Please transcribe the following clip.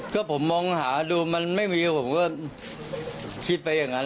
ก็ผมมองหาดูมันไม่มีผมก็คิดไปอย่างนั้น